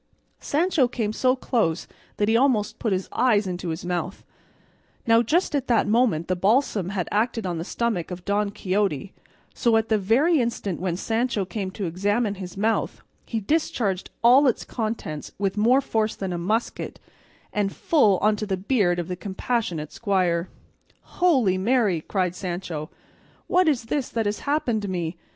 Sancho came so close that he almost put his eyes into his mouth; now just at that moment the balsam had acted on the stomach of Don Quixote, so, at the very instant when Sancho came to examine his mouth, he discharged all its contents with more force than a musket, and full into the beard of the compassionate squire. "Holy Mary!" cried Sancho, "what is this that has happened me?